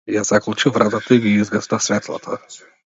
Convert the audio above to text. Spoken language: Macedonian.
Ја заклучи вратата и ги изгасна светлата.